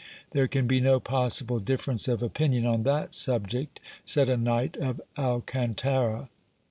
There can be no possible difference of opinion on that subject, said a knight of Alcantara.